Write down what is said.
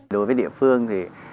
đối với địa phương thì